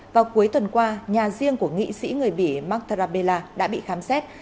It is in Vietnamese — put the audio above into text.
vào cuối tuần qua nhà riêng của nghị sĩ người bỉ mark tarabella đã bị khám xét